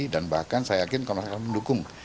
dan bahkan saya yakin komnas ham mendukung